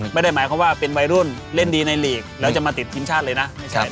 ไม่ได้หมายความว่าเป็นวัยรุ่นเล่นดีในหลีกแล้วจะมาติดทีมชาติเลยนะ